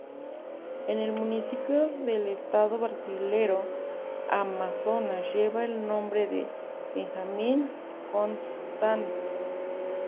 El municipio del estado brasilero Amazonas lleva el nombre de Benjamin Constant.